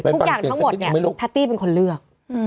ทุกอย่างทั้งหมดเนี่ยแพตตี้เป็นคนเลือก